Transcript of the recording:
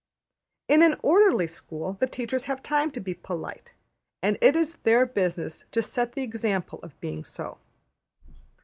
'' In an orderly school the teachers have time to be polite, and it is their business to set the example of being so.